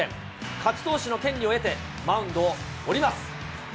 勝ち投手の権利を得て、マウンドを降ります。